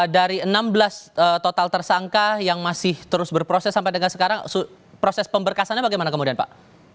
dari enam belas total tersangka yang masih terus berproses sampai dengan sekarang proses pemberkasannya bagaimana kemudian pak